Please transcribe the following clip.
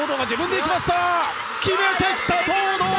決めてきた、東藤！